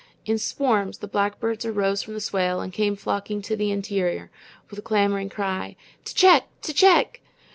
In swarms the blackbirds arose from the swale and came flocking to the interior, with a clamoring cry: "T'CHECK, T'CHECK."